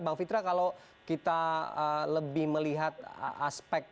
bang fitra kalau kita lebih melihat aspek